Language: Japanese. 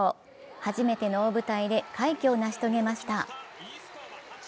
初めての大舞台で快挙を成し遂げました。